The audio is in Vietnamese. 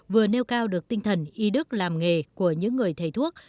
vừa nêu cao được tinh thần y đức làm nghề của những người thầy thuốc